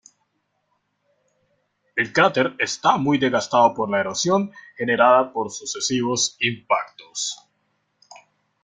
El cráter está muy desgastado por la erosión generada por sucesivos impactos.